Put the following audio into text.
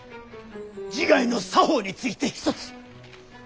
自害の作法についてひとつ。